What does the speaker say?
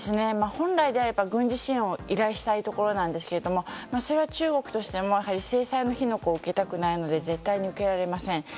本来であれば軍事支援を依頼したいところなんですがそれは中国としても制裁の火の粉を受けたくないので絶対に受けられません。